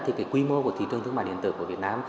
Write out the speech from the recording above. thì cái quy mô của thí tương thương mại điện tử của việt nam